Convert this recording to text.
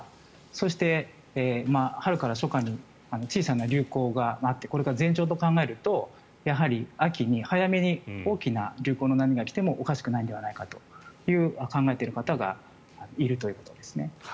そして、春から初夏に小さな流行があってこれが前兆と考えると秋に早めに大きな流行の波が来てもおかしくないんではないかと考えている方がいるということですね。